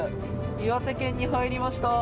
岩手県に入りました。